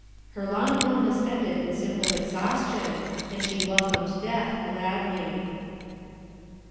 Her long illness ended in simple exhaustion, and she welcomed death gladly.